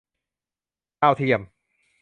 ดาวเทียม